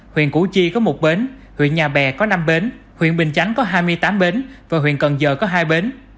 huyện củ chi có một bến huyện nhà bè có năm bến huyện bình chánh có hai mươi tám bến và huyện cần giờ có hai bến